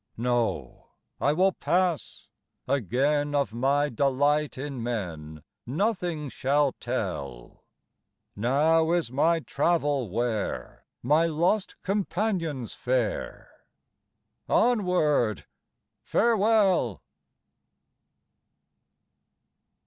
No. I will pass. Again Of my delight in men Nothing shall tell. Now is my travel where My lost companions fare; Onward. Farewell.